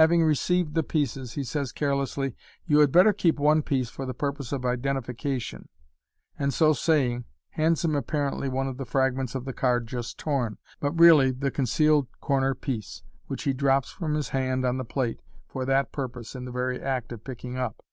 Having received the pieces, he says carelessly, " You had better keep one piece for the purpose of identification j" and, so saying, hands him apparently one of the frag ments of the card just torn, but really the concealed corner piece, which he drops from his hand on the plate for that purpose in the very act of picking up.